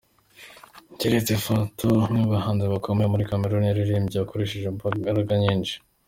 Keyerese Fotso , umwe mu bahanzi bakomeye muri Cameroun, yaririmbye akoresheje imbaraga nyinshi.